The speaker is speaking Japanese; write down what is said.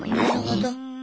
なるほど。